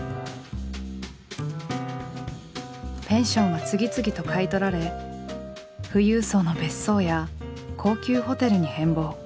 ペンションは次々と買い取られ富裕層の別荘や高級ホテルに変貌。